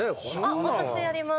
あっ私やります。